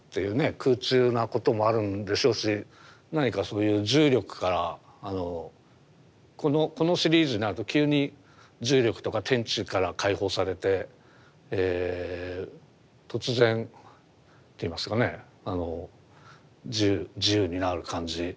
空中なこともあるんでしょうし何かそういう重力からこのシリーズになると急に重力とか天地から解放されて突然といいますかねあの自由になる感じ。